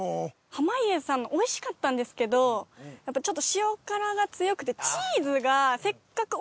濱家さんのおいしかったんですけどやっぱちょっとチーズが。